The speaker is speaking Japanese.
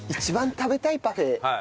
食べたいパフェ。